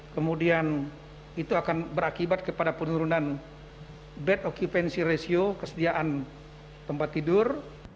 kemudian itu akan berakibat kepada penurunan bed occupancy ratio kesediaan tempat tidur